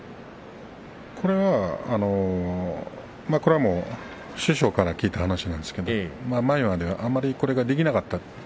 これは師匠から聞いた話ですが前は、あまりこれができなかった。